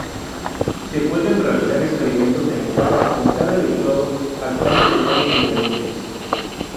Se pueden realizar experimentos en etapas con cada electrodo actuando de forma independiente.